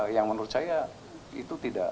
yang menurut saya itu tidak